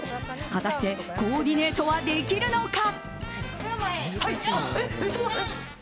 果たして、コーディネートはできるのか？